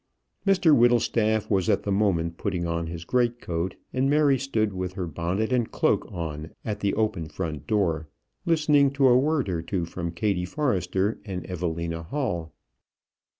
Mr Whittlestaff was at the moment putting on his great coat, and Mary stood with her bonnet and cloak on at the open front door, listening to a word or two from Kattie Forrester and Evelina Hall.